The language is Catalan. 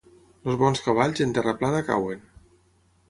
Els bons cavalls en terra plana cauen.